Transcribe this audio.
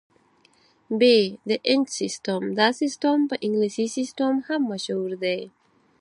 ب - د انچ سیسټم: دا سیسټم په انګلیسي سیسټم هم مشهور دی.